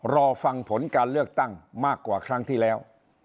รอฟังผลการเลือกตั้งมากกว่าครั้งที่แล้ว